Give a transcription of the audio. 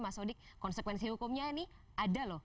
mas odik konsekuensi hukumnya ini ada loh